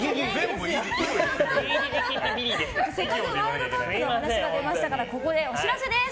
せっかくワールドカップの話が出ましたからここでお知らせです。